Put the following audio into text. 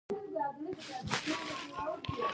اودس مي تازه کړ .